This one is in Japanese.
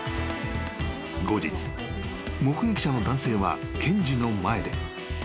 ［後日目撃者の男性は検事の前で］